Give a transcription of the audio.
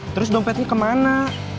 terus dompetnya kemana